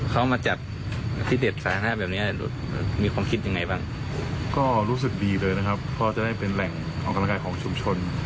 เพราะจะได้เป็นแหล่งกำลังกายของชุมชน